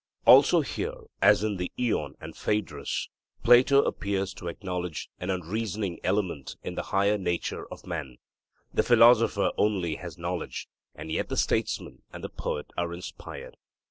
Also here, as in the Ion and Phaedrus, Plato appears to acknowledge an unreasoning element in the higher nature of man. The philosopher only has knowledge, and yet the statesman and the poet are inspired.